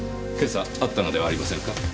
今朝会ったのではありませんか？